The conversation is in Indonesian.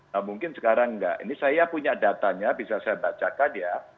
nah mungkin sekarang enggak ini saya punya datanya bisa saya bacakan ya